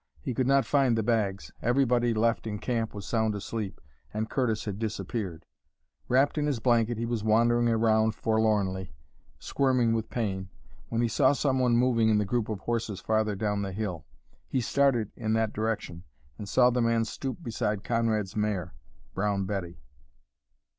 He could not find the bags, everybody left in camp was sound asleep, and Curtis had disappeared. Wrapped in his blanket he was wandering around forlornly, squirming with pain, when he saw some one moving in the group of horses farther down the hill. He started in that direction and saw the man stoop beside Conrad's mare, Brown Betty.